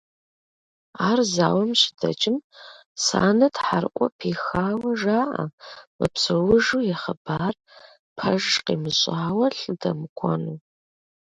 Ар зауэм щыдэкӏым, Санэ тхьэрыӏуэ пихауэ жаӏэ мыпсэужу и хъыбар пэж къимыщӏауэ лӏы дэмыкӏуэну.